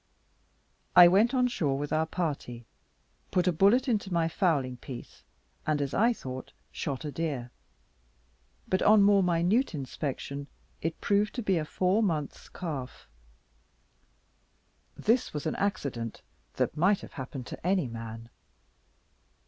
I went on shore with our party, put a bullet into my fowling piece, and, as I thought, shot a deer; but on more minute inspection, it proved to be a four months' calf. This was an accident that might have happened to any man.